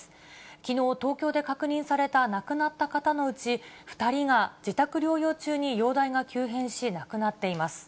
きのう東京で確認された亡くなった方のうち、２人が自宅療養中に容体が急変し亡くなっています。